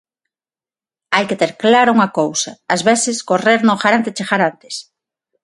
E hai que ter clara unha cousa: ás veces correr non garante chegar antes.